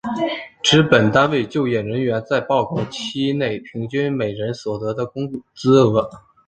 指本单位就业人员在报告期内平均每人所得的工资额。